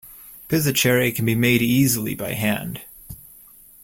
Pizzoccheri can be made easily by hand.